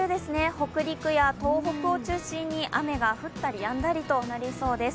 北陸や東北を中心に雨が降ったりやんだりとなりそうです。